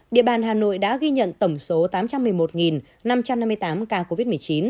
địa bàn hà nội đã ghi nhận tổng số tám trăm một mươi một năm trăm năm mươi tám ca covid một mươi chín